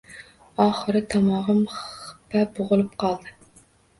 Oxiri tomog‘im xippa bo‘g‘ilib qoldi.